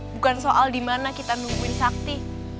bukan soal dimana kita nungguin sakti